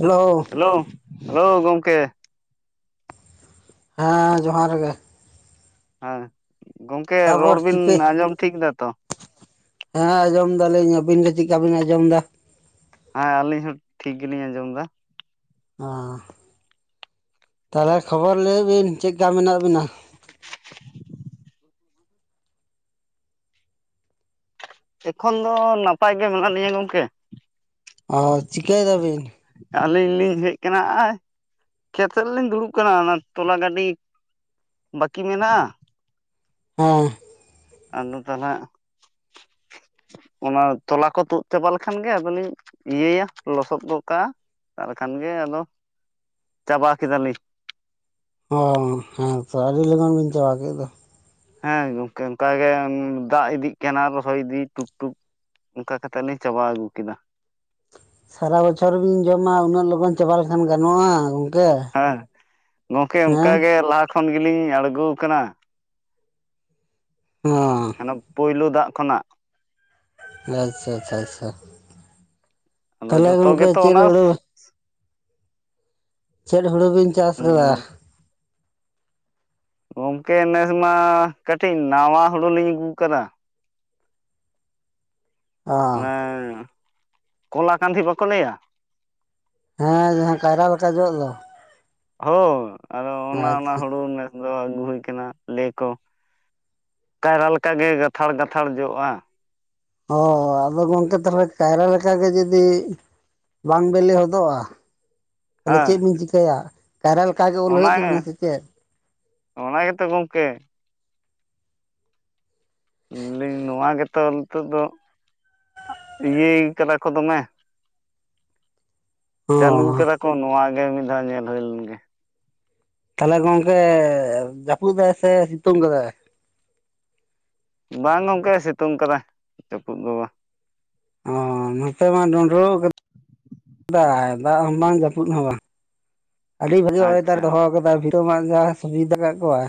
Hello hello hello ᱜᱚᱢᱠᱮ ᱦᱮᱸ ᱡᱚᱦᱟᱨ ᱜᱮ ᱦᱮᱸ ᱜᱚᱝᱠᱮ ᱨᱚᱲ ᱛᱟᱯᱚᱨ ᱵᱤᱱ ᱪᱤᱠᱟᱹ ᱟᱸᱡᱚᱢ ᱴᱷᱤᱠ ᱫᱟ ᱛᱚ ᱦᱮᱸ ᱟᱸᱡᱚᱢ ᱫᱟᱞᱤᱧ ᱟᱹᱵᱤᱱ ᱜᱤ ᱪᱮᱫ ᱞᱮᱠᱟ ᱵᱤᱱ ᱟᱸᱡᱚᱢ ᱮᱫᱟ ᱦᱮᱸ ᱟᱹᱞᱤᱧ ᱦᱚᱸ ᱴᱷᱤᱠ ᱜᱮᱞᱤᱧ ᱟᱸᱡᱚᱢ ᱮᱫᱟ ᱚ ᱛᱟᱦᱚᱞᱮ ᱠᱷᱚᱵᱚᱨ ᱞᱟᱹᱭᱮᱫ ᱵᱤᱱ ᱪᱮᱫ ᱞᱮᱠᱟ ᱢᱮᱱᱟᱜ ᱵᱤᱱᱟ? ᱮᱠᱷᱚᱱ ᱫᱚ ᱱᱟᱯᱟᱭ ᱜᱮ ᱢᱮᱱᱟᱜ ᱞᱤᱧᱟ ᱜᱚᱢᱠᱮ ᱚ ᱪᱤᱠᱟᱹᱭ ᱫᱟᱹᱵᱤᱱ? ᱟᱹᱞᱤᱧ ᱞᱤᱧ ᱦᱮᱡ ᱟᱠᱟᱱᱟ ᱟ-ᱟᱭ ᱠᱷᱮᱛᱥᱮᱫ ᱞᱤᱧ ᱫᱩᱲᱩᱵ ᱠᱟᱱᱟ ᱚᱱᱟ ᱛᱚᱞᱟ ᱜᱟᱹᱰᱤ ᱵᱟᱹᱠᱤ ᱢᱮᱱᱟᱜᱼᱟ᱾ ᱦᱮᱸ ᱟᱫᱚ ᱛᱟᱞᱦᱮᱜ ᱚᱱᱟ ᱛᱚᱞᱟ ᱠᱚ ᱛᱩᱫ ᱪᱟᱵᱟ ᱞᱮᱠᱷᱟᱱ ᱜᱮ ᱟᱫᱚᱞᱤᱧ ᱤᱭᱟᱹᱭᱟ ᱞᱚᱥᱚᱫ ᱜᱚᱫ ᱠᱟᱜᱼᱟ᱾ ᱛᱟᱦᱚᱞᱮ ᱠᱷᱟᱱ ᱜᱮ ᱟᱫᱚ ᱪᱟᱵᱟ ᱠᱮᱫᱟᱞᱤᱧ᱾ ᱚ ᱦᱮᱸ ᱛᱚ ᱟᱹᱰᱤ ᱞᱚᱜᱚᱱ ᱵᱤᱱ ᱪᱟᱵᱟ ᱠᱮᱫ ᱫᱚ᱾ ᱦᱮᱸ ᱜᱚᱝᱠᱮ ᱚᱱᱠᱟ ᱜᱮ ᱫᱟᱜ ᱤᱫᱤᱜ ᱠᱟᱱᱟ ᱨᱚᱦᱚᱭ ᱤᱫᱤ ᱴᱩᱠ ᱴᱩᱠ᱾ ᱚᱱᱠᱟ ᱠᱟᱛᱮᱜ ᱞᱤᱧ ᱪᱟᱵᱟ ᱟᱹᱜᱩ ᱠᱮᱫᱟ᱾ ᱥᱟᱨᱟ ᱵᱚᱪᱷᱚᱨ ᱵᱤᱱ ᱡᱚᱢᱟ ᱩᱱᱟᱹᱜ ᱞᱚᱜᱚᱱ ᱪᱟᱵᱟ ᱞᱮᱠᱷᱟᱱ ᱜᱟᱱᱚᱜᱼᱟ᱾ ᱦᱮᱸ ᱜᱚᱢᱠᱮ ᱦᱮᱸ ᱚᱱᱠᱟ ᱜᱮ ᱞᱟᱦᱟ ᱠᱷᱚᱱ ᱜᱮᱞᱤᱧ ᱟᱬᱜᱚ ᱠᱟᱱᱟ᱾ ᱚ ᱚᱱᱟ ᱯᱩᱭᱞᱳ ᱫᱟᱜ ᱠᱷᱚᱱᱟᱜ᱾ ᱟᱪᱪᱷᱟ ᱟᱪᱪᱷᱟ ᱟᱪᱪᱷᱟ ᱟᱫᱚ ᱛᱟᱦᱚᱞᱮ ᱡᱷᱚᱛᱚ ᱜᱚᱝᱠᱮ ᱜᱮᱛᱚ ᱪᱮᱫ ᱚᱱᱟ ᱩᱲᱩ᱾ ᱪᱮᱫ ᱦᱩᱲᱩ ᱵᱤᱱ ᱪᱟᱥ ᱠᱟᱫᱟ᱾ ᱜᱚᱝᱠᱮ ᱱᱮᱥ ᱢᱟ ᱠᱟᱹᱴᱤᱡ ᱱᱟᱣᱟ ᱦᱩᱲᱩ ᱞᱤᱧ ᱟᱹᱜᱩᱣᱟᱠᱟᱫᱟ᱾ ᱚ ᱚᱱᱮ ᱠᱚᱞᱟ ᱠᱟᱸᱫᱷᱤ ᱵᱟᱠᱚ ᱞᱟᱹᱭᱟ᱾ ᱦᱮᱸ ᱡᱟᱸᱦᱟ ᱠᱟᱭᱨᱟ ᱞᱮᱠᱟ ᱡᱚᱜ ᱫᱚ᱾ ᱦᱳ ᱚᱱᱟ ᱚᱱᱟ ᱟᱪᱪᱷᱟ ᱦᱳᱲᱳ᱾ ᱫᱚ ᱟᱹᱜᱩ ᱦᱩᱭ ᱠᱟᱱᱟ ᱞᱮ ᱠᱚ ᱠᱟᱭᱨᱟ ᱞᱮᱠᱟᱜ ᱜᱮ ᱜᱟᱛᱷᱟᱲ ᱜᱟᱛᱷᱟᱲ ᱡᱚᱜᱼᱟ᱾ ᱚ ᱟᱫᱚ ᱜᱚᱝᱠᱮ ᱛᱟᱦᱚᱞᱮ ᱠᱟᱭᱨᱟ ᱞᱮᱠᱟᱜᱮ ᱡᱩᱫᱤ᱾ ᱵᱟᱝ ᱵᱮᱞᱮ ᱦᱚᱫᱚᱜᱼᱟ᱾ ᱛᱟᱦᱚᱞᱮ ᱪᱮᱫ ᱦᱮᱸ ᱵᱤᱱ ᱪᱤᱠᱟᱹᱭᱟ ᱠᱟᱭᱨᱟ ᱞᱮᱠᱟᱜᱮ ᱳᱞ ᱦᱩᱭᱩᱜ ᱛᱟᱵᱤᱱᱟ ᱥᱮ ᱪᱮᱫ᱾ ᱚ ᱚᱱᱟ ᱜᱮᱛᱚ ᱜᱚᱝᱠᱮ᱾ [inaudible] ᱱᱚᱣᱟ ᱜᱮᱛᱚ ᱱᱤᱛᱚᱜ ᱫᱚ᱾ ᱤᱭᱟᱹᱭ ᱠᱟᱫᱟ ᱠᱚ ᱫᱚᱢᱮ᱾ ᱪᱟᱹᱞᱩ ᱚ ᱠᱟᱫᱟ ᱠᱚ ᱱᱚᱣᱟ ᱜᱮ ᱢᱤᱫ ᱫᱷᱟᱣ ᱧᱮᱞ ᱦᱩᱭ ᱞᱮᱱᱜᱮ᱾ ᱛᱟᱦᱚᱞᱮ ᱜᱚᱝᱠᱮ ᱡᱟᱯᱩᱫ ᱫᱟᱭ ᱥᱮ ᱥᱤᱛᱩᱝ ᱠᱟᱫᱟᱭ᱾ ᱵᱟᱝ ᱜᱚᱝᱠᱮ ᱥᱤᱛᱩᱝ ᱠᱟᱫᱟᱭ ᱡᱟᱹᱯᱩᱫ ᱫᱚ ᱵᱟᱝ᱾ ᱚ ᱱᱚᱛᱮ ᱢᱟ ᱰᱩᱰᱨᱩᱜ ᱠᱟᱼᱼ ᱫᱟᱭ ᱫᱟᱜ ᱦᱚᱸ ᱵᱟᱝ ᱡᱟᱹᱯᱩᱫ ᱦᱚᱸ ᱵᱟᱝ᱾ ᱟᱹᱰᱤ ᱵᱷᱟᱹᱜᱤ ᱚᱭᱫᱟᱨ ᱟᱪᱪᱷᱟ ᱮ ᱫᱚᱦᱚ ᱟᱠᱟᱫᱟ ᱵᱷᱤᱛᱟ. ᱢᱟᱜ ᱡᱟᱦᱟᱸ ᱥᱩᱵᱤᱫᱟ ᱟᱠᱟᱫ ᱠᱚᱣᱟ᱾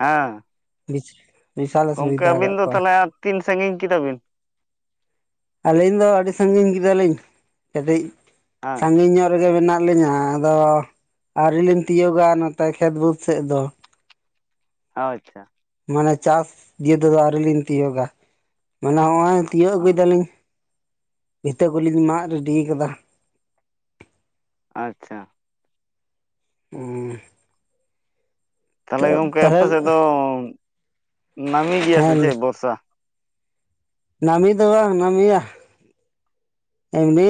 ᱦᱮᱸ [unintelligible] ᱜᱚᱢᱠᱮ ᱥᱩᱵᱤᱫᱷᱟ ᱟᱹᱵᱤᱱ ᱠᱟᱜ ᱫᱚ ᱠᱚᱣᱟ ᱛᱟᱦᱚᱞᱮ ᱛᱤᱱ ᱥᱟᱹᱜᱤᱧ ᱠᱮᱫᱟ ᱵᱤᱱ᱾ ᱟᱹᱞᱤᱧ ᱫᱚ ᱟᱹᱰᱤ ᱥᱟᱹᱜᱤᱧ ᱠᱮᱫᱟᱞᱤᱧ ᱠᱟᱹᱴᱤᱡ ᱦᱮᱸ ᱥᱟᱹᱜᱤᱧ ᱧᱚᱜ᱾ ᱨᱮᱜᱮ ᱢᱮᱱᱟᱜ ᱞᱤᱧᱟ ᱟᱫᱚ ᱟᱹᱣᱨᱤ ᱞᱤᱧ ᱛᱤᱭᱳᱚᱜᱟ ᱱᱚᱛᱮ ᱠᱷᱮᱛ ᱵᱟᱹᱫᱽ ᱥᱮᱫ ᱫᱚ᱾ ᱟᱪᱪᱷᱟ ᱢᱟᱱᱮ ᱪᱟᱥ ᱤᱭᱮ ᱛᱮᱫᱚ ᱟᱹᱣᱨᱤ ᱞᱤᱧ ᱛᱤᱭᱳᱚᱜᱟ᱾ ᱢᱟᱱᱮ ᱦᱚᱜᱼᱚᱭ ᱛᱤᱭᱳᱜ ᱦᱚᱸ ᱟᱹᱜᱩᱭᱮᱫᱟᱞᱤᱧ ᱵᱷᱤᱛᱟᱹ ᱠᱚᱞᱤᱧ ᱢᱟᱜ ᱨᱮᱰᱤ ᱠᱟᱫᱟ᱾ ᱟᱪᱪᱷᱟ ᱩᱻ ᱛᱟᱦᱚᱞᱮ ᱜᱚᱝᱠᱮ ᱟᱯᱮ ᱛᱟᱦᱚᱞᱮ ᱥᱮᱫ ᱫᱚ ᱱᱟᱹᱢᱤ ᱜᱮᱭᱟ ᱥᱮ ᱦᱮᱸ ᱪᱮᱫ ᱵᱚᱨᱥᱟ᱾ ᱱᱟᱢᱤ ᱫᱚ ᱵᱟᱝ ᱱᱟᱢᱤᱭᱟ᱾ [unintelligible] ᱮᱢᱱᱤ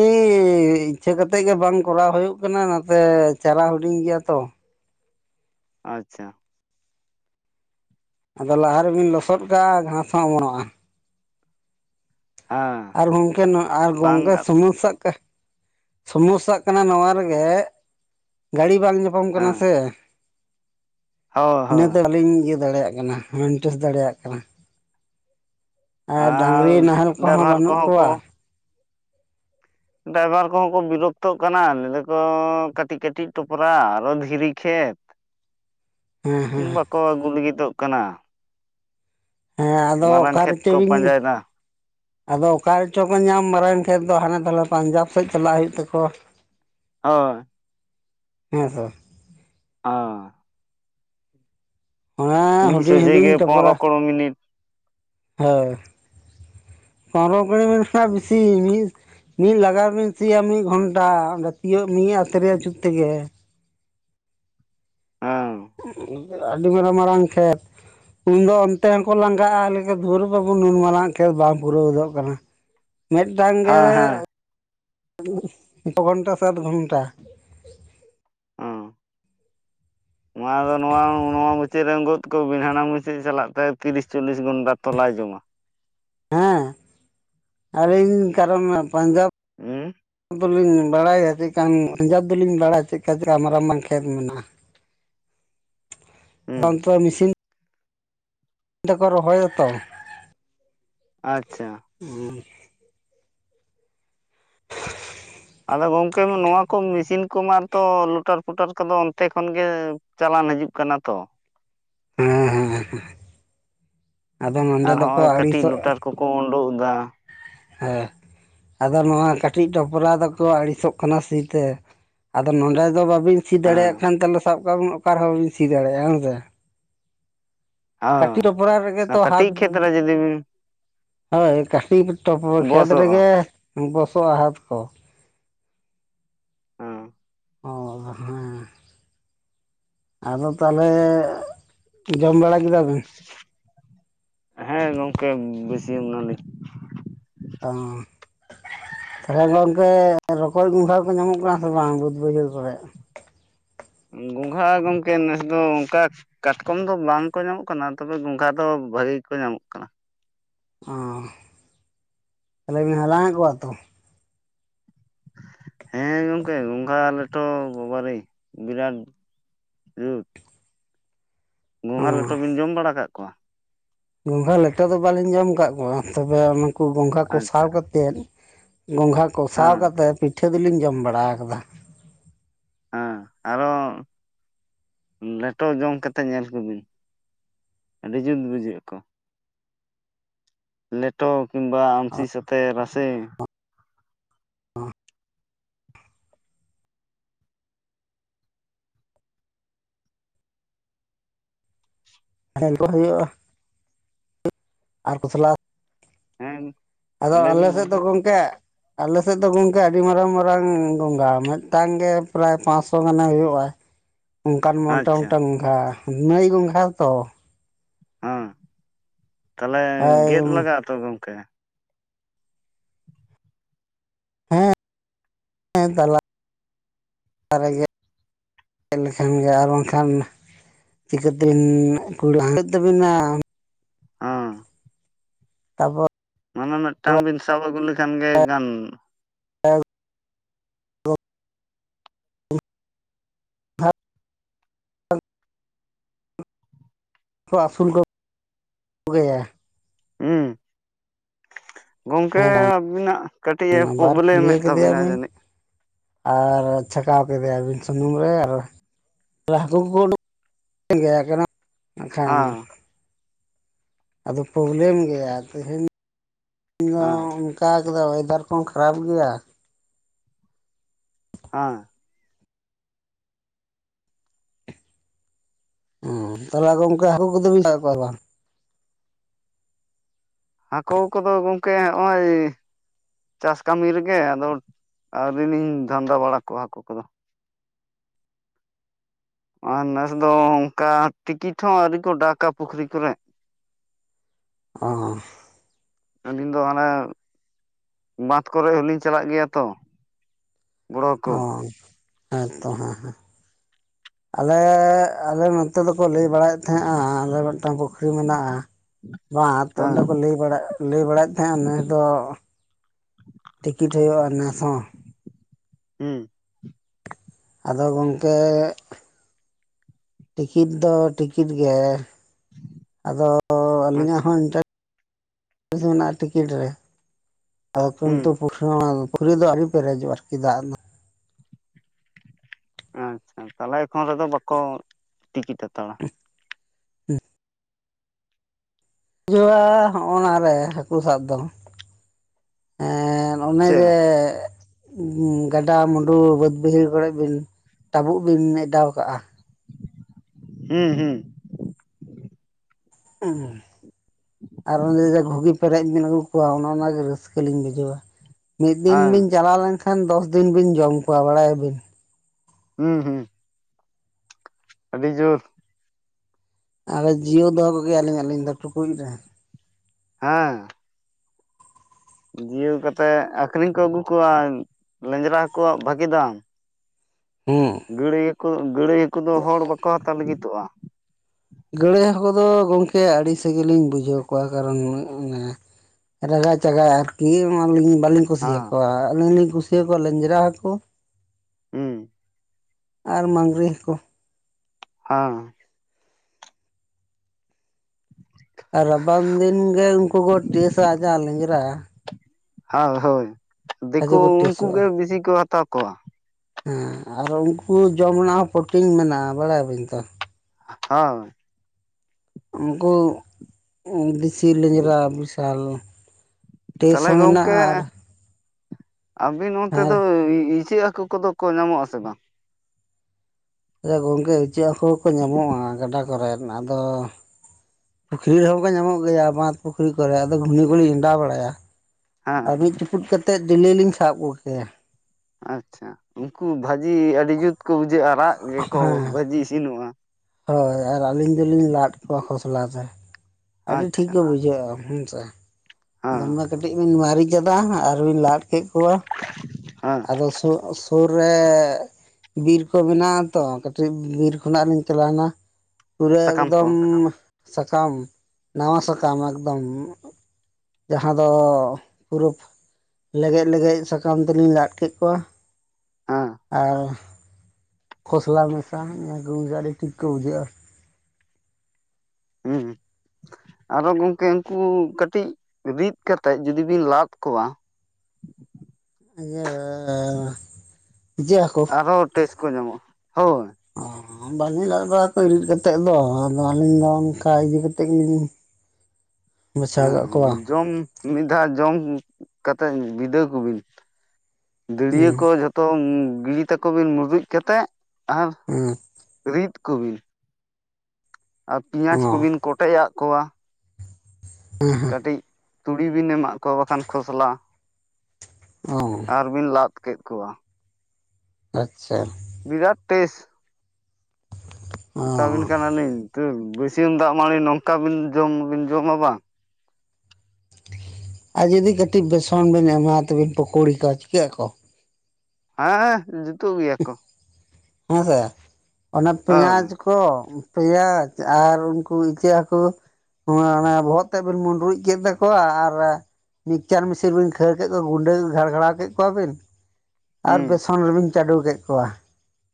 ᱤᱪᱷᱟᱹ ᱠᱟᱛᱮᱜ ᱜᱮ ᱵᱟᱝ ᱠᱚᱨᱟᱣ ᱦᱩᱭᱩᱜ ᱠᱟᱱᱟ ᱱᱚᱛᱮ ᱪᱟᱨᱟ ᱦᱤᱰᱤᱧ ᱜᱮᱭᱟ ᱛᱚ᱾ ᱟᱪᱪᱷᱟ ᱟᱫᱚ ᱞᱟᱦᱟ ᱨᱮᱵᱤᱱ ᱞᱚᱥᱚᱫ ᱠᱟᱜᱼᱟ ᱜᱷᱟᱥ ᱦᱚᱸ ᱚᱢᱚᱱᱚᱜᱼᱟ᱾ ᱦᱮᱸ ᱟᱨ ᱜᱚᱝᱠᱮ ᱟᱨ ᱵᱟᱝ ᱜᱚᱝᱠᱮ ᱥᱚᱢᱚᱥᱟᱜ ᱠᱟ ᱥᱚᱢᱥᱟᱜ ᱠᱟᱱᱟ ᱱᱚᱣᱟ ᱨᱮᱜᱮ᱾ ᱜᱟᱹᱲᱤ ᱵᱟᱝ ᱧᱟᱯᱟᱢ ᱠᱟᱱᱟ ᱦᱮᱸ ᱥᱮ ᱦᱳᱭ ᱦᱳᱭ ᱤᱱᱟᱹᱛᱮ ᱵᱟᱹᱞᱤᱧ ᱤᱭᱟᱹ ᱫᱟᱲᱮᱭᱟᱜ ᱠᱟᱱᱟ᱾ ᱦᱟᱱᱴᱩᱥ ᱫᱟᱲᱮᱭᱟᱜ ᱠᱟᱱᱟ᱾ ᱰᱟᱝᱨᱤ ᱟᱨ ᱱᱟᱦᱮᱞ ᱰᱟᱭᱵᱷᱟᱨ ᱵᱟᱹᱱᱩᱜ ᱠᱚᱦᱚᱸ ᱠᱚᱣᱟ ᱠᱚ᱾ ᱰᱟᱭᱵᱷᱟᱨ ᱠᱚᱦᱚᱸ ᱠᱚ ᱵᱤᱨᱚᱠᱛᱚᱜ ᱠᱟᱱᱟ ᱞᱟᱹᱭ ᱫᱟᱠᱚ ᱠᱟᱹᱴᱤᱡ ᱠᱟᱹᱴᱤᱡ ᱴᱚᱯᱨᱟ ᱟᱨᱚ ᱫᱷᱤᱨᱤ ᱠᱷᱮᱛ᱾ ᱦᱮᱸ ᱦᱮᱸ ᱵᱟᱠᱚ ᱟᱹᱜᱩ ᱞᱟᱹᱜᱤᱫᱚᱜ ᱠᱟᱱᱟ᱾ ᱦᱮᱸ ᱟᱫᱚ ᱢᱟᱨᱟᱝ ᱚᱠᱟ ᱠᱷᱮᱛ ᱨᱮᱪᱚ ᱠᱚ ᱵᱤᱱ᱾ ᱯᱟᱸᱡᱟᱭᱮᱫᱟ ᱟᱫᱚ ᱚᱠᱟ ᱨᱮᱪᱚ ᱠᱚ ᱧᱟᱢ ᱢᱟᱨᱟᱝ ᱠᱷᱮᱛ ᱫᱚ ᱦᱟᱱᱮ ᱛᱞᱮ ᱯᱟᱱᱡᱟᱵᱽ ᱥᱮᱫ ᱪᱟᱞᱟᱜ ᱦᱩᱭᱩᱜ ᱛᱟᱠᱚᱣᱟ᱾ ᱦᱚ ᱦᱮᱸ ᱥᱮ ᱵᱟᱝ᱾ ᱚᱸ ᱚᱱᱟ ᱢᱤᱫ ᱦᱩᱰᱤᱧ ᱥᱚᱡᱷᱮ ᱜᱮ ᱦᱩᱰᱤᱧ ᱯᱚᱱᱨᱚ ᱴᱚᱯᱨᱟ ᱠᱩᱲᱤ ᱢᱤᱱᱤᱴ ᱦᱳᱭ᱾ ᱯᱚᱨᱚᱠᱩᱨᱤ ᱢᱮᱱᱤᱴ ᱠᱷᱚᱱ ᱵᱤᱥᱤ ᱢᱤᱫ᱾ ᱢᱤᱫ ᱞᱟᱜᱟᱣ ᱵᱤᱱ ᱥᱤᱭᱟ ᱢᱤᱫ ᱜᱷᱚᱱᱴᱟ ᱛᱤᱭᱳᱜ ᱢᱤᱫ ᱟᱛᱨᱮ ᱟᱪᱩᱨ ᱛᱮᱜᱮ᱾ ᱳ ᱟᱹᱰᱤ ᱢᱟᱨᱟᱝ ᱢᱟᱨᱟᱝ ᱠᱷᱮᱛ᱾ ᱩᱱᱫᱚ ᱚᱱᱛᱮ ᱦᱚᱸᱠᱚ ᱞᱟᱸᱜᱟᱜᱼᱟ ᱫᱩᱨ ᱵᱟᱹᱵᱩ ᱱᱩᱱ ᱢᱟᱨᱟᱝ ᱠᱷᱮᱛ ᱵᱟᱝ ᱯᱩᱨᱟᱹᱣ ᱦᱚᱫᱚᱜ ᱠᱟᱱᱟ᱾ [unintelligible] ᱢᱮᱫᱴᱟᱝ ᱜᱮ ᱦᱮᱸ ᱦᱮᱸ ᱪᱷᱚ ᱥᱟᱛ ᱜᱷᱚᱱᱴᱟ᱾ ᱱᱚᱣᱟ ᱫᱚ ᱱᱚᱣᱟ ᱱᱚᱣᱟ ᱢᱩ᱾ [inaudible] ᱜᱚᱫ ᱠᱚ ᱵᱤᱱ ᱦᱟᱱᱟ ᱢᱩᱪᱟᱹᱫ ᱪᱟᱞᱟᱜ ᱛᱮ ᱛᱤᱨᱤᱥ ᱪᱚᱞᱞᱤᱥ ᱜᱚᱱᱰᱟ ᱛᱚᱞᱟᱭ ᱡᱚᱢᱟ᱾ ᱦᱮᱸ ᱟᱹᱞᱤᱧ ᱠᱟᱨᱚᱱ ᱯᱟᱸᱡᱟᱵ᱾ ᱦᱩᱸ ᱵᱟᱲᱟᱭᱟ ᱪᱮᱫᱠᱟᱱ ᱯᱟᱱᱡᱟᱵᱽ ᱫᱚᱞᱤᱧ ᱵᱟᱲᱟᱭᱟ ᱪᱮᱫ ᱠᱟ ᱪᱮᱫ ᱠᱟ ᱢᱟᱨᱟᱝ ᱢᱟᱨᱟᱝ ᱠᱷᱮᱛ ᱢᱮᱱᱟᱜᱼᱟ᱾ [unintelligible] ᱦᱩᱸ ᱚᱱᱛᱮ ᱢᱮᱥᱤᱱ ᱫᱚᱠᱚ ᱨᱚᱦᱚᱭ ᱟᱛᱚ᱾ ᱟᱪᱪᱷᱟ ᱦᱩᱸ ᱟᱫᱚ ᱜᱚᱢᱠᱮ ᱱᱚᱣᱟ ᱠᱚ ᱢᱮᱥᱤᱱ ᱠᱚᱢᱟ ᱛᱚ ᱞᱩᱴᱟᱨ ᱯᱩᱴᱟᱨ ᱠᱚᱫᱚ ᱚᱱᱛᱮ ᱠᱷᱚᱱᱜᱮ᱾ ᱪᱟᱞᱟᱱ ᱦᱤᱡᱩᱜ ᱠᱟᱱᱟ ᱛᱚ᱾ ᱦᱮᱸ ᱦᱮᱸ ᱟᱫᱚ ᱱᱚᱰᱮ ᱫᱚᱠᱚ ᱟᱹᱲᱤᱥᱚᱜ᱾ ᱦᱚᱠᱚ ᱩᱰᱩᱜ ᱫᱟ᱾ ᱦᱮᱸ ᱟᱫᱚ ᱱᱚᱣᱟ ᱠᱟᱹᱴᱤᱡ ᱴᱚᱯᱨᱟ ᱫᱚᱠᱚ ᱟᱹᱲᱤᱥᱚᱜ ᱠᱟᱱᱟ ᱥᱤ ᱛᱮ᱾ ᱟᱫᱚ ᱱᱚᱰᱮ ᱫᱚ ᱵᱟᱵᱤᱱ ᱥᱤ ᱫᱟᱲᱮᱭᱟᱜ ᱦᱮᱸ ᱠᱷᱟᱱ ᱛᱟᱦᱚᱞᱮ ᱥᱟᱵ ᱠᱟᱜ ᱵᱤᱱ ᱚᱠᱟᱨᱮᱦᱚᱸ ᱵᱟᱵᱤᱱ ᱥᱤ ᱫᱟᱲᱮᱭᱟᱜᱼᱟ ᱦᱮᱸᱥᱮ᱾ ᱠᱟᱹᱴᱤᱡ ᱦᱳᱭ ᱴᱚᱯᱨᱟ ᱨᱮᱜᱮ ᱛᱚ ᱦᱟᱛ᱾ ᱠᱟᱹᱴᱤᱡ ᱠᱷᱮᱛᱨᱮ ᱡᱩᱫᱤ ᱵᱤᱱ ᱦᱳᱭ ᱠᱟᱹᱴᱤᱡ ᱴᱚ ᱠᱷᱮᱛ ᱵᱚᱥᱚᱜᱼᱟ ᱨᱮᱜᱮ ᱵᱚᱥᱚᱜᱼᱟ ᱦᱟᱛ ᱠᱚ᱾ ᱦᱮᱸ ᱚᱸ ᱦᱮᱸ ᱟᱫᱚ ᱛᱟᱦᱚᱞᱮ ᱡᱚᱢ ᱵᱟᱲᱟ ᱠᱮᱫᱟ ᱵᱮᱱ? ᱦᱮᱸ ᱜᱚᱝᱠᱮ ᱵᱟᱹᱥᱤᱭᱟᱹᱢ ᱱᱟᱞᱤᱧ᱾ [unintelligible] ᱛᱚᱵᱮ ᱜᱚᱢᱠᱮ ᱨᱚᱠᱚᱡ ᱜᱚᱸᱜᱷᱟ ᱠᱚ ᱧᱟᱢᱚᱜ ᱠᱟᱱᱟ ᱥᱮ ᱵᱟᱝ ᱵᱟᱹᱫ ᱵᱟᱹᱭᱦᱟᱹᱲ ᱠᱚᱨᱮ? ᱜᱚᱸᱜᱷᱟ ᱜᱚᱢᱠᱮ ᱱᱮᱥ ᱫᱚ ᱚᱱᱠᱟ ᱠᱟᱴᱠᱚᱢ ᱫᱚ ᱵᱟᱝᱠᱚ ᱧᱟᱢᱚᱜ ᱠᱟᱱᱟ, ᱛᱚᱵᱮ ᱜᱚᱝᱜᱷᱟ ᱫᱚ ᱵᱷᱟᱹᱜᱤ ᱜᱮ ᱠᱚ ᱧᱟᱢᱚᱜ ᱠᱟᱱᱟ᱾ ᱚᱸᱻ ᱛᱟᱦᱚᱞᱮ ᱵᱤᱱ ᱦᱟᱞᱟᱝ ᱮᱫ ᱠᱚᱣᱟ ᱛᱚ᱾ ᱦᱮᱸ ᱜᱚᱝᱠᱮ ᱜᱚᱸᱜᱷᱟ ᱞᱮᱴᱚ ᱵᱟᱵᱟᱨᱮ ᱵᱤᱨᱟᱴ ᱦᱩᱸ᱾ ᱜᱚᱸᱜᱷᱟ ᱞᱮᱴᱚ ᱚ ᱵᱤᱱ ᱡᱚᱢ ᱵᱟᱲᱟ ᱠᱟᱜ ᱠᱚᱣᱟ? ᱜᱚᱸᱜᱷᱟ ᱞᱮᱴᱚ ᱫᱚ ᱵᱟᱹᱞᱤᱧ ᱡᱚᱢ ᱠᱟᱜ ᱠᱚᱣᱟ, ᱛᱚᱵᱮ ᱩᱱᱩᱠᱩ ᱜᱚᱸᱜᱷᱟ ᱠᱚ ᱥᱟᱵ ᱟᱪᱪᱷᱟ ᱠᱟᱛᱮᱫ ᱜᱚᱸᱜᱷᱟ ᱠᱚ ᱥᱟᱣ ᱦᱮᱸ ᱠᱟᱛᱮᱫ ᱯᱤᱴᱷᱟᱹ ᱫᱚᱞᱤᱧ ᱡᱚᱢ ᱵᱟᱲᱟᱣ ᱠᱟᱫᱟ᱾ ᱦᱮᱸ, ᱟᱨᱚ ᱞᱮᱴᱚ ᱡᱚᱢ ᱠᱟᱛᱮ ᱧᱮᱞ ᱠᱚᱵᱤᱱ ᱟᱹᱰᱤ ᱡᱩᱛ ᱵᱩᱡᱷᱟᱹᱜ-ᱟ ᱠᱚ᱾ ᱞᱮᱴᱚ ᱠᱤᱢᱵᱟ ᱟᱢᱥᱤ ᱥᱟᱛᱮ ᱨᱟᱥᱮ [unintelligible] [unintelligible] ᱠᱚ ᱦᱳᱭᱳᱜᱼᱟ ᱟᱨ ᱠᱷᱚᱥᱞᱟ ᱦᱮᱸᱧ ᱟᱫᱚ ᱟᱞᱮ ᱥᱮᱫ ᱫᱚ ᱜᱚᱝᱠᱮ, ᱟᱞᱮ ᱥᱮᱫ ᱫᱚ ᱜᱚᱝᱠᱮ ᱟᱹᱰᱤ ᱢᱟᱨᱟᱝ ᱢᱟᱨᱟᱝ ᱜᱚᱸᱜᱷᱟ ᱢᱤᱫᱴᱟᱝ ᱜᱮ ᱯᱨᱟᱭ ᱯᱟᱸᱥᱥᱚ ᱜᱟᱱᱮ ᱦᱩᱭᱩᱜ-ᱟ᱾ [inaudible] ᱚᱝᱠᱟᱱ ᱢᱚᱴᱟ ᱟᱪᱪᱷᱟ ᱢᱚᱴᱟ ᱜᱚᱸᱜᱷᱟ, ᱱᱟᱹᱭ ᱜᱚᱸᱜᱷᱟ ᱛᱚ᱾ ᱦᱮᱸ ᱛᱟᱞᱦᱮ ᱜᱮᱫ ᱞᱟᱜᱟᱜ-ᱟ ᱛᱚ ᱜᱚᱝᱠᱮ? ᱦᱮᱸ [unintelligible] ᱜᱮᱫ ᱞᱮᱠᱷᱟᱱ ᱜᱮ ᱟᱨ ᱵᱟᱝᱠᱷᱟᱱ, ᱪᱤᱠᱟᱹᱛᱮᱵᱤᱱ ᱠᱩᱲᱟᱹ ᱦᱩᱭᱩᱜ ᱛᱟᱹᱵᱤᱱᱟ? ᱦᱚᱸ, ᱛᱟᱯᱚᱨ ᱢᱟᱱᱮ ᱢᱤᱫᱴᱟᱝ ᱵᱤᱱ ᱥᱟᱵ ᱟᱹᱜᱩ ᱞᱮᱠᱷᱟᱱ ᱜᱮ ᱜᱟᱱ [unintelligible] [unintelligible] ᱞᱮ ᱟᱹᱥᱩᱞ ᱠᱚ ᱠᱚᱜᱮᱭᱟ᱾ ᱩᱸ᱾ ᱜᱚᱝᱠᱮ ᱦᱮᱸ ᱟᱵᱤᱱᱟᱜ ᱠᱟᱹᱴᱤᱡᱼᱮ ᱟᱵᱟᱨ ᱯᱨᱚᱵᱞᱮᱢ ᱯᱷᱩᱞᱭᱟᱹ ᱮᱫ ᱛᱟᱵᱤᱱᱟ ᱠᱮᱫᱮᱭᱟᱵᱤᱱ ᱡᱟᱹᱱᱤᱡ? ᱟᱨ ᱪᱷᱟᱠᱟᱣ ᱠᱮᱫᱮᱭᱟ ᱟᱹᱵᱤᱱ ᱥᱩᱢᱩᱝ ᱨᱮ ᱟᱨ ᱦᱟᱹᱠᱩ ᱠᱚᱠᱩ ᱩᱰᱩᱠ ᱫᱮᱭᱟᱭ ᱠᱟᱱᱟ᱾ ᱮᱱᱠᱷᱟᱱ ᱦᱮᱸ ᱟᱫᱚ ᱯᱨᱚᱵᱞᱮᱢ ᱜᱮᱭᱟ, ᱛᱮᱦᱮᱧ ᱤᱧᱫᱚ ᱦᱮᱸ ᱚᱱᱠᱟ ᱠᱚᱫᱚ ᱚᱭᱮᱫᱟᱨ ᱠᱚᱸᱦᱚᱸ ᱠᱷᱟᱨᱟᱯ ᱜᱮᱭᱟ᱾ ᱦᱮᱸ ᱩᱸ, ᱛᱟᱦᱞᱮ ᱚᱝᱠᱟ ᱦᱟᱹᱠᱩ ᱠᱚᱫᱚ ᱵᱤᱱ ᱥᱟᱵ ᱮᱫ ᱠᱚᱣᱟ ᱥᱮ ᱵᱟᱝ? ᱦᱟᱹᱠᱩ ᱠᱚᱫᱚ ᱜᱚᱝᱠᱮ ᱦᱚᱸᱜ-ᱚᱭ ᱪᱟᱥ ᱠᱟᱹᱢᱤ ᱨᱮᱜᱮ ᱟᱫᱚ ᱟᱹᱣᱨᱤ ᱞᱤᱧ ᱫᱷᱟᱱᱫᱟ ᱵᱟᱲᱟ ᱠᱚᱣᱟ ᱦᱟᱹᱠᱩ ᱠᱚᱫᱚ᱾ ᱟᱨ ᱱᱮᱥ ᱫᱚ ᱚᱝᱠᱟ ᱴᱤᱠᱤᱴ ᱦᱚᱸ ᱟᱹᱣᱨᱤ ᱠᱚ ᱰᱟᱠᱟ ᱯᱩᱠᱷᱨᱤ ᱠᱚᱨᱮ᱾ [inaudible] ᱚ᱾ ᱟᱹᱞᱤᱧ ᱫᱚ ᱦᱟᱱᱮ ᱵᱟᱸᱫᱷ ᱠᱚᱨᱮ ᱦᱚᱞᱤᱧ ᱪᱟᱞᱟᱜ ᱜᱮᱭᱟ ᱛᱚ᱾ ᱵᱚᱲᱚ ᱦᱟᱹᱠᱩ ᱚ ᱦᱮᱸᱛᱚ ᱦᱮᱸ ᱦᱮᱸ ᱟᱞᱮ ᱟᱞᱮ ᱱᱚ ᱛᱮ ᱫᱚᱠᱚ ᱞᱟᱹᱭ ᱵᱟᱲᱟᱭᱮᱫ ᱛᱟᱦᱮᱸᱜ-ᱟ ᱟᱞᱮ ᱢᱤᱫᱴᱟᱝ ᱯᱩᱠᱷᱨᱤ ᱢᱮᱱᱟᱜᱼᱟ᱾ ᱵᱟᱝ ᱟᱛᱚ ᱦᱮᱸ ᱚᱸᱰᱮ ᱠᱚ ᱞᱟᱹᱭ ᱵᱟᱲᱟ ᱞᱟᱹᱭ ᱵᱟᱲᱟᱭᱮᱫ ᱛᱟᱦᱮᱸᱜ-ᱟ ᱱᱮᱥ ᱫᱚ ᱴᱤᱠᱤᱴ ᱦᱩᱭᱩᱜᱼᱟ ᱱᱮᱥ ᱦᱚᱸ᱾ ᱦᱩᱸ᱾ ᱟᱫᱚ ᱜᱚᱝᱠᱮ ᱴᱤᱠᱤᱴ ᱫᱚ ᱴᱤᱠᱤᱴ ᱜᱮ ᱟᱫᱚ ᱟᱹᱞᱤᱧᱟᱜ ᱟᱪᱪᱷᱟ ᱦᱚᱸ ᱤᱱᱴᱟᱨ -ᱮᱥ ᱢᱮᱱᱟᱜᱼᱟ, ᱴᱤᱠᱤᱴ ᱨᱮ ᱦᱩᱸ ᱠᱤᱱᱛᱩ ᱯᱩᱥ ᱯᱩᱠᱷᱨᱤ ᱫᱚ ᱟᱣᱨᱤ ᱯᱮᱨᱮᱡᱚᱜᱼᱟ, ᱟᱨᱠᱤ ᱫᱟᱜ ᱟᱪᱪᱷᱟ, ᱛᱟᱦᱚᱞᱮ ᱮᱠᱷᱚᱱ ᱨᱮᱫᱚ ᱵᱟᱠᱚ ᱴᱤᱠᱤᱴ ᱦᱟᱛᱟᱲᱟ? ᱦᱩᱸ᱾ ᱡᱚᱜᱼᱟ ᱦᱚᱸ ᱚᱱᱟ ᱨᱮ ᱦᱟᱹᱠᱩ ᱥᱟᱵ ᱫᱚ, ᱮ ᱚᱱᱮ ᱪᱮᱫ ᱡᱮ ᱜᱟᱰᱟ, ᱢᱩᱰᱩ, ᱵᱟᱹᱫᱽ, ᱵᱟᱹᱭᱦᱟᱹᱲ ᱠᱚᱨᱮ ᱵᱤᱱ ᱴᱟᱵᱩᱜ ᱵᱤᱱ ᱮᱰᱟᱣ ᱠᱟᱜᱼᱟ᱾ ᱦᱩᱸ ᱦᱩᱸ᱾ ᱦᱩᱸ ᱦᱩ ᱟᱨ ᱜᱷᱩᱜᱤ ᱯᱮᱨᱮᱡ ᱫᱤᱱ ᱟᱹᱜᱩ ᱠᱚᱣᱟ ᱚᱱᱟ ᱢᱟ ᱨᱟᱹᱥᱠᱟᱹ ᱞᱤᱧ ᱵᱩᱡᱷᱟᱹᱣᱟ, ᱢᱤᱫ ᱫᱤᱱ ᱦᱮᱸ ᱵᱤᱱ ᱪᱟᱞᱟᱣ ᱞᱮᱱ ᱠᱷᱟᱱ ᱫᱚᱥ ᱫᱤᱱ ᱵᱤᱱ ᱡᱚᱢ ᱠᱚᱣᱟ ᱵᱟᱲᱟᱭ ᱟᱵᱤᱱ? ᱦᱩᱸ ᱦᱩᱸ᱾ ᱟᱹᱰᱤ ᱡᱳᱨ ᱟᱫᱚ ᱡᱤᱭᱟᱹᱣ ᱫᱚᱦᱚ ᱠᱚᱜᱮᱭᱟᱹᱞᱤᱧ ᱟᱞᱤᱧ ᱫᱚ ᱴᱩᱠᱩᱡ ᱨᱮ᱾ ᱦᱮᱸ᱾ ᱡᱤᱭᱟᱹᱣ ᱠᱟᱛᱮᱜ ᱟᱹᱠᱷᱨᱤᱧ ᱠᱚ ᱟᱹᱜᱩ ᱠᱚᱣᱟ, ᱞᱮᱸᱡᱽᱨᱟ ᱦᱟᱠᱩᱣᱟᱜ ᱵᱷᱟᱹᱜᱤ ᱫᱟᱢ᱾ ᱦᱩᱸ᱾ ᱜᱟᱹᱲᱟᱹᱭᱟᱹ ᱦᱟᱹᱠᱩ ᱜᱟᱹᱲᱟᱹᱭ ᱦᱟᱹᱠᱩ ᱠᱚᱫᱚ ᱦᱚᱲ ᱵᱟᱠᱚ ᱦᱟᱛᱟᱣ ᱞᱟᱹᱜᱤᱫᱚᱜᱼᱟ᱾ ᱜᱟᱹᱲᱟᱹᱭ ᱦᱟᱹᱠᱩ ᱫᱚ ᱜᱚᱢᱠᱮ ᱟᱹᱲᱤ ᱥᱮᱜᱮ ᱞᱤᱧ ᱵᱩᱡᱷᱟᱹᱣ ᱠᱚᱣᱟ᱾ ᱠᱟᱨᱚᱱ ᱩᱱᱟᱹᱜ ᱢᱟᱱᱮ ᱨᱟᱜᱟ ᱪᱟᱜᱟ ᱟᱨᱠᱤ ᱚᱢᱟ ᱞᱟᱹᱜᱤᱡ ᱵᱟᱹᱞᱤᱧ ᱠᱩᱥᱤᱭ ᱦᱮᱸ ᱟᱠᱚᱣᱟ᱾ ᱟᱹᱞᱤᱧ ᱞᱤᱧ ᱠᱩᱥᱤᱭᱟᱠᱚᱣᱟ ᱞᱮᱧᱡᱨᱟ ᱦᱟᱹᱠᱩ᱾ ᱦᱩᱸ᱾ ᱟᱨ ᱢᱟᱝᱜᱽᱨᱤ ᱦᱟᱹᱠᱩ᱾ ᱟᱸ᱾ ᱟᱨ ᱨᱟᱵᱟᱝ ᱫᱤᱱ ᱜᱮ ᱩᱱᱠᱩ ᱠᱚ ᱴᱮᱥᱟ ᱡᱟᱦᱟᱸ ᱞᱮᱸᱡᱽᱨᱟ᱾ ᱦᱳᱭ ᱦᱳᱭ, ᱫᱤᱠᱩ ᱠᱟᱡᱮ ᱠᱚ ᱩᱱᱠᱩ ᱜᱮ ᱴᱮᱥᱚᱜᱼᱟ ᱵᱤᱥᱤ ᱠᱚ ᱦᱟᱛᱟᱣ ᱠᱚᱣᱟ᱾ ᱦᱮᱸ ᱟᱨ ᱩᱱᱠᱩ ᱡᱚᱢ ᱨᱮᱱᱟᱜ ᱦᱚᱸ ᱯᱨᱳᱴᱤᱱ ᱢᱮᱱᱟᱜᱼᱟ᱾ ᱵᱟᱲᱟᱭᱟᱵᱤᱱ ᱛᱚ? ᱦᱚᱸ᱾ ᱩᱱᱠᱩ ᱫᱮᱥᱤ ᱞᱮᱸᱡᱽᱨᱟ ᱵᱤᱥᱟᱞ ᱴᱮᱥ ᱛᱟᱦᱚᱞᱮ ᱦᱚᱸ ᱢᱮᱱᱟᱜᱼᱟ ᱜᱚᱝᱠᱮ ᱟᱨ ᱟᱹᱵᱤᱱ ᱚᱱᱛᱮ ᱟᱨ ᱫᱚ ᱤᱪᱟᱹᱜ ᱦᱟᱹᱠᱩ ᱠᱚᱫᱚ ᱠᱚ ᱧᱟᱢᱚᱜ ᱟᱥᱮ ᱵᱟᱝ? ᱮᱭᱟ ᱜᱚᱝᱠᱮ ᱤᱪᱟᱹᱜ ᱦᱟᱹᱠᱩ ᱦᱚᱠᱚ ᱧᱟᱢᱚᱜᱼᱟ, ᱜᱟᱰᱟ ᱠᱚᱨᱮ ᱨᱮᱱ ᱟᱫᱚ ᱯᱩᱠᱷᱨᱤ ᱨᱮᱦᱚᱸ ᱠᱚ ᱧᱟᱢᱚᱜ ᱜᱮᱭᱟ᱾ ᱵᱟᱸᱫᱷ ᱯᱩᱠᱷᱨᱤ ᱠᱚᱨᱮ ᱟᱫᱚ ᱜᱷᱩᱺᱱᱤ ᱠᱚᱞᱤᱧ ᱩᱰᱟᱣ ᱵᱟᱲᱟᱭᱟ᱾ ᱦᱮᱸ ᱟᱨ ᱢᱤᱫ ᱪᱩᱯᱩᱫ ᱠᱟᱛᱮᱫ ᱰᱮᱞᱤ ᱞᱤᱧ ᱥᱟᱵ ᱟᱜᱩ ᱠᱮᱭᱟ᱾ ᱟᱪᱪᱷᱟ ᱩᱱᱠᱩ ᱵᱷᱟᱹᱡᱤ ᱟᱹᱰᱤ ᱡᱩᱛ ᱠᱚ ᱵᱩᱡᱷᱟᱹᱜᱼᱟ᱾ ᱨᱟᱜ ᱜᱮᱠᱚ ᱦᱮᱸ ᱵᱷᱟᱹᱡᱤ ᱤᱥᱤᱱᱚᱜᱼᱟ᱾ ᱦᱳᱭ ᱟᱨ ᱟᱹᱞᱤᱧ ᱫᱚᱞᱤᱧ ᱞᱟᱫ ᱠᱚᱣᱟ ᱠᱷᱚᱥᱞᱟ ᱛᱮ, ᱟᱹᱰᱤ ᱴᱷᱤᱠ ᱟᱪᱪᱷᱟ ᱜᱮ ᱵᱩᱡᱷᱟᱹᱜᱼᱟ ᱦᱮᱸᱥᱮ᱾ ᱦᱮᱸ ᱫᱚᱢᱮ ᱠᱟᱹᱴᱤᱡ ᱵᱤᱱ ᱢᱟᱨᱤᱪ ᱟᱫᱟ ᱦᱟᱸᱜ ᱟᱨᱵᱤᱱ ᱞᱟᱫ ᱠᱮᱫ ᱠᱚᱣᱟ᱾ ᱦᱟᱸ᱾ ᱟᱫᱚ ᱥᱩ ᱥᱩᱨ ᱨᱮ ᱵᱤᱨ ᱠᱚ ᱵᱮᱱᱟᱜᱼᱟ ᱛᱚ, ᱠᱟᱹᱴᱤᱡ ᱵᱤᱨ ᱠᱷᱚᱱᱟᱜ ᱞᱤᱧ ᱪᱟᱞᱟᱣᱱᱟ᱾ ᱯᱩᱨᱟᱹ ᱥᱟᱠᱟᱢ ᱮᱠᱫᱚᱢ ᱠᱚ ᱥᱟᱠᱟᱢ, ᱱᱟᱣᱟ ᱥᱟᱠᱟᱢ ᱮᱠᱫᱚᱢ ᱡᱟᱦᱟᱸ ᱫᱚ ᱯᱩᱨᱟᱹ ᱞᱮᱜᱮᱡ ᱞᱮᱜᱮᱡ ᱥᱟᱠᱟᱢ ᱛᱮᱞᱤᱧ ᱞᱟᱫ ᱠᱮᱫ ᱠᱚᱣᱟ᱾ ᱦᱮᱸ ᱟᱨ ᱠᱷᱚᱥᱞᱟ ᱢᱮᱥᱟ, ᱚᱱᱟ ᱠᱚ ᱜᱤ ᱟᱹᱰᱤ ᱴᱷᱤᱠ ᱠᱚ ᱵᱩᱡᱷᱟᱹᱜᱼᱟ᱾ ᱦᱩᱸ᱾ ᱟᱨᱚ ᱜᱚᱝᱠᱮ ᱩᱱᱠᱩ ᱠᱟᱹᱴᱤᱜ ᱨᱤᱫ ᱠᱟᱛᱮᱜ ᱡᱩᱫᱤ ᱵᱤᱱ ᱞᱟᱫ ᱠᱚᱣᱟ᱾ ᱟᱹᱭᱟᱹ, ᱟᱨᱦᱚᱸ ᱴᱮᱥ ᱠᱚ ᱧᱟᱢᱚᱜᱼᱟ, ᱦᱳᱭ᱾ ᱚᱻᱵᱟᱹᱞᱤᱧ ᱞᱟᱜ ᱵᱟᱲᱟ ᱛᱚ ᱨᱤᱫ ᱠᱟᱛᱮᱫ ᱫᱚ ᱟᱫᱚ ᱟᱹᱞᱤᱧ ᱫᱚ ᱚᱱᱠᱟ ᱤᱭᱟᱹ ᱠᱟᱛᱮᱫ ᱜᱤᱞᱤᱧ [inaudible] ᱦᱮᱸ ᱡᱚᱢ ᱢᱤᱫ ᱫᱷᱟᱣ ᱡᱚᱢ ᱠᱟᱛᱮᱫ ᱵᱤᱰᱟᱹᱣ ᱠᱩᱵᱤᱱ᱾ ᱫᱟᱹᱲᱭᱟᱹ ᱦᱩᱸ ᱠᱚ ᱡᱷᱚᱛᱚ ᱜᱤᱲᱤ ᱛᱟᱠᱚ ᱵᱤᱱ ᱢᱩᱨᱫᱩᱡ ᱠᱟᱛᱮᱫ ᱟᱨ, ᱩᱸ᱾ ᱨᱤᱫ ᱠᱩᱵᱤᱱ᱾ ᱟᱨ ᱯᱤᱸᱭᱟᱡᱽ ᱚ ᱠᱩᱵᱤᱱ ᱠᱚᱴᱮᱜ ᱟᱜ ᱠᱚᱣᱟ᱾ ᱦᱮᱸ ᱦᱮᱸ ᱠᱟᱹᱴᱤᱜ ᱛᱩᱲᱤ ᱵᱤᱱ ᱮᱢᱟᱜ ᱠᱚᱣᱟ ᱵᱟᱠᱷᱟᱱ ᱠᱷᱚᱥᱞᱟ᱾ ᱚᱸ ᱫᱚ ᱵᱤᱱ ᱞᱟᱫ ᱠᱮᱫ ᱠᱚᱣᱟ᱾ ᱟᱪᱪᱷᱟ᱾ ᱵᱤᱨᱟᱴ ᱴᱮᱥ᱾ ᱚ ᱢᱮᱛᱟ ᱵᱤᱱ ᱠᱟᱱᱟᱞᱤᱧ ᱛᱟᱹ ᱵᱟᱹᱭᱥᱟᱹᱢ ᱫᱟᱜᱽ ᱢᱟᱹᱲᱤ ᱱᱚᱝᱠᱟ ᱵᱤᱱ ᱡᱚᱢ ᱵᱤᱱ ᱡᱚᱢᱟ ᱵᱟᱝ, ᱟᱨ ᱡᱩᱫᱤ ᱠᱟᱹᱴᱤᱜ ᱵᱮᱥᱚᱱ ᱵᱮᱱ ᱮᱢᱟ ᱛᱚᱵᱤᱱ ᱯᱚᱠᱳᱲᱤ ᱠᱚᱣᱟ ᱪᱤᱠᱟᱹᱜ ᱟᱠᱚ? ᱦᱟᱸ ᱦᱟᱸ ᱡᱩᱛᱩᱜ ᱜᱮᱭᱟ ᱠᱚ᱾ ᱦᱮᱸᱥᱮ, ᱚᱱᱟ ᱯᱮᱸᱭᱟᱡᱽ ᱦᱳᱭ ᱠᱚ ᱯᱮᱸᱭᱟᱡᱽ ᱟᱨ ᱩᱱᱠᱩ ᱤᱪᱟᱹᱜ ᱦᱟᱹᱠᱩ ᱚᱣᱟ ᱚᱱᱮ ᱵᱚᱦᱚᱜ ᱛᱮᱡ ᱵᱮᱱ ᱢᱩᱸᱰᱨᱩᱡ ᱠᱮᱫ ᱛᱟᱠᱚᱣᱟ ᱟᱨ ᱢᱤᱠᱪᱟᱨ ᱢᱤᱥᱤᱱ ᱨᱮ ᱵᱤᱱ ᱠᱷᱟᱹᱲ ᱠᱮᱫ ᱠᱚᱣᱟ ᱜᱩᱸᱰᱟᱹ ᱜᱷᱟᱲ ᱜᱷᱲᱟᱣ ᱠᱮᱫ ᱠᱚᱣᱟ ᱵᱤᱱ, ᱟᱨ ᱦᱩᱸ ᱵᱮᱥᱚᱱ ᱨᱮ ᱵᱤᱱ ᱪᱟᱰᱩ ᱠᱮᱜ ᱠᱚᱣᱟ᱾